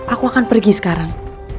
aku akan pergi sekarang